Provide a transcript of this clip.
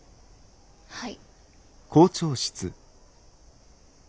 はい。